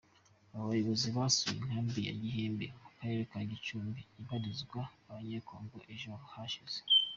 Aba bayobozi basuye inkambi ya Gihembe mu karere ka Gicumbi ibarizwamo Abanyecongo, ejo hashize.